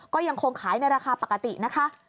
ก็ยังคงขายในราคาปกตินะคะ